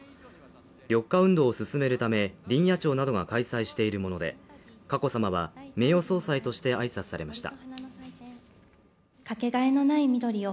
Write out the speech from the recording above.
緑化運動を進めるため林野庁などが開催しているもので、佳子さまは名誉総裁として挨拶されました。